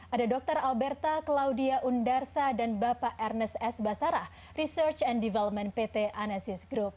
ada dr alberta claudia undarsa dan bapak ernest s basarah research and development pt anesis group